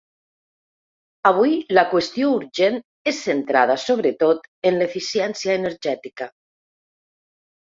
Avui, la qüestió urgent és centrada sobretot en l’eficiència energètica.